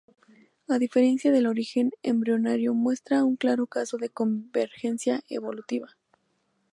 A diferencia del origen embrionario, muestra un claro caso de convergencia evolutiva.